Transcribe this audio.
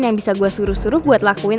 yang bisa gue suruh suruh buat lakuin